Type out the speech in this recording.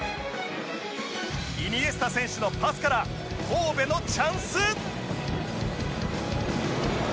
イニエスタ選手のパスから神戸のチャンス！